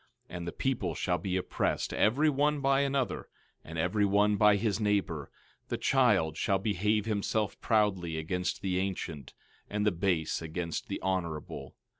13:5 And the people shall be oppressed, every one by another, and every one by his neighbor; the child shall behave himself proudly against the ancient, and the base against the honorable.